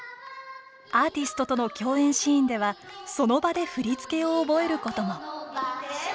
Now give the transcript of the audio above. アーティストとの共演シーンではその場で振り付けを覚えることも。